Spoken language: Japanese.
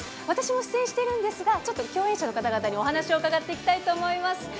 私も出演しているんですがちょっと共演者の方々にお話を伺っていきたいと思います。